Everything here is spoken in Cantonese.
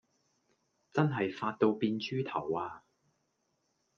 真係發到變豬頭呀